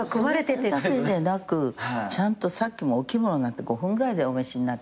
それだけでなくちゃんとさっきもお着物なんて５分ぐらいでお召しになって。